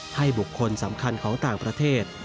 บุคคลสำคัญของต่างประเทศ